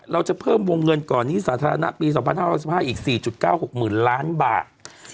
เราจะเพิ่มวงเงินก่อนหนี้สาธารณะปี๒๕๕อีก๔๙๖๐๐๐ล้านบาท